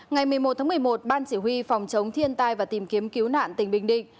ngày một mươi một tháng một mươi một ban chỉ huy phòng chống thiên tai và tìm kiếm cứu nạn tỉnh bình định